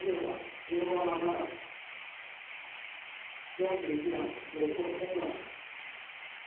４１番吉本此那さん。